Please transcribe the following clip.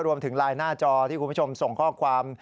รวมถึงไลน์หน้าจอที่คุณผู้ชมส่งข้อความ